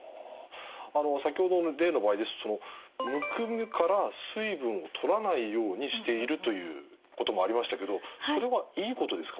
先ほどの例の場合ですとむくむから水分をとらないようにしているということもありましたけどそれはいいことですか？